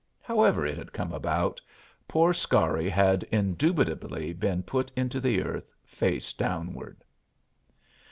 However it had come about, poor Scarry had indubitably been put into the earth face downward.